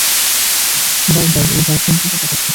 বারবার ওই গার্ডটার দিকে তাকাচ্ছ কেন?